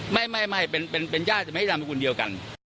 ไม่เป็นญาติไม่ได้ทำทั้งคนเดียวกัน